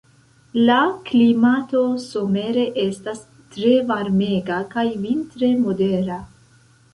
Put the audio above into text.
La klimato somere estas tre varmega kaj vintre modera.